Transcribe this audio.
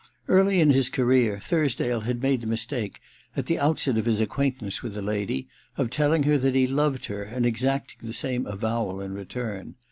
Early in his career Thursdale had made the mistake, at the outset of his acquaint ance with a lady, of telling her that he loved her and exacting the same avowal in return.